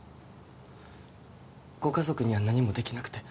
ご家族には何もできなくて